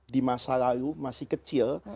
di masa lalu masih kecil